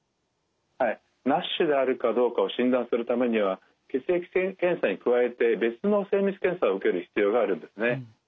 ＮＡＳＨであるかどうかを診断するためには血液検査に加えて別の精密検査を受ける必要があるんです。